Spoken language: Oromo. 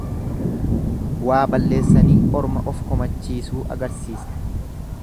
Waa balleessanii orma of komachiisuu agarsiisa.